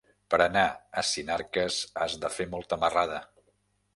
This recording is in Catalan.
Per anar a Sinarques has de fer molta marrada.